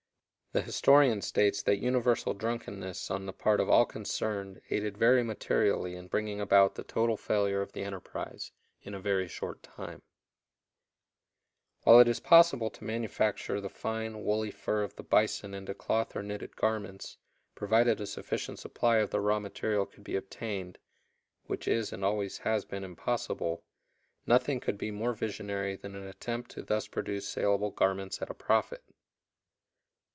The historian states that universal drunkenness on the part of all concerned aided very materially in bringing about the total failure of the enterprise in a very short time. [Note 48: The American Bison, p. 197.] While it is possible to manufacture the fine, woolly fur of the bison into cloth or knitted garments, provided a sufficient supply of the raw material could be obtained (which is and always has been impossible), nothing could be more visionary than an attempt to thus produce salable garments at a profit.